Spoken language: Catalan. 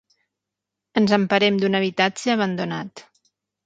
Ens emparem d'un habitatge abandonat.